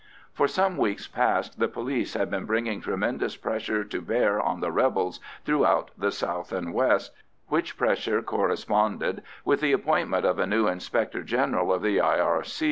For some weeks past the police had been bringing tremendous pressure to bear on the rebels throughout the south and west, which pressure corresponded with the appointment of a new Inspector General of the R.